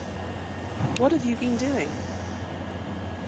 What've you been doing?